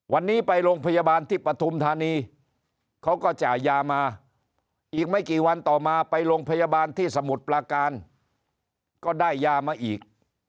วันนี้ไปโรงพยาบาลที่ปฐุมธานีเขาก็จ่ายยามาอีกไม่กี่วันต่อมาไปโรงพยาบาลที่สมุทรปลาการก็ได้ยามาอีก